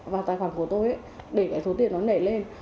vào tài khoản của tôi để cái số tiền nó nảy lên